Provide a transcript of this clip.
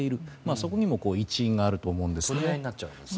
そこにも一因があると思うんですね。